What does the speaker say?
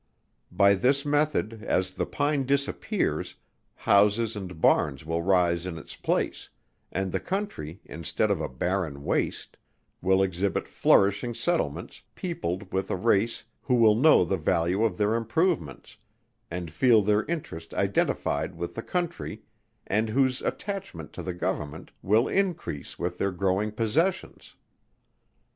By this method, as the pine disappears, houses and barns will rise in its place, and the country, instead of a barren waste, will exhibit flourishing settlements, peopled with a race who will know the value of their improvements; and feel their interest identified with the country: and whose attachment to the Government will increase with their growing possessions.